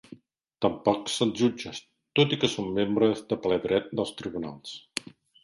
Tampoc són jutges, tot i que són membres de ple dret dels tribunals.